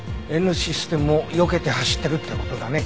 Ｎシステムをよけて走ってるって事だね。